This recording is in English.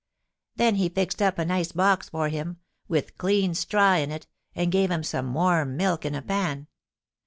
Then he fixed up a nice box for him, with clean straw in it, and gave him some warm milk in a pan.